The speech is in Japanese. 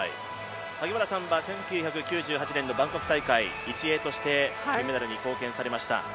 萩原さんは１９９８年のバンコク大会１泳として金メダルに貢献されました。